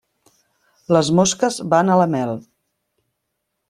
Les mosques van a la mel.